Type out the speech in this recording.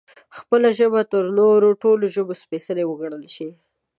خپله ژبه تر نورو ټولو ژبو سپېڅلې وګڼل شي